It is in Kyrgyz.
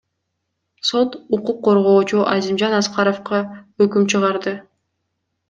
Сот укук коргоочу Азимжан Аскаровго өкүм чыгарды.